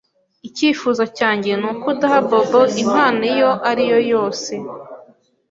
Icyifuzo cyanjye nuko udaha Bobo impano iyo ari yo yose.